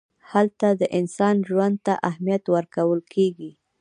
هلته د انسان ژوند ته اهمیت ورکول کېږي.